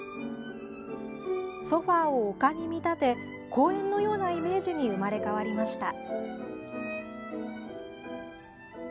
ソファーを丘に見立て公園のようなイメージに生まれ変わりました。